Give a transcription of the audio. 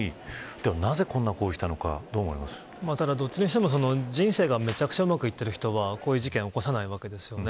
では何で、こんな行為をただどっちにしても人生がめちゃくちゃうまくいってる人はこういう事件起こさなわけですよね。